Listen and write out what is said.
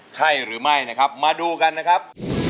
ใช่หรือไม่นะครับมาดูกันนะครับ